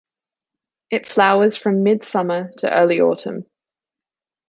It flowers from mid-summer to early autumn.